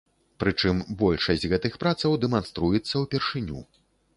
Прычым большасць гэтых працаў дэманструецца ўпершыню.